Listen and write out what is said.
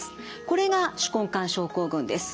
これが手根管症候群です。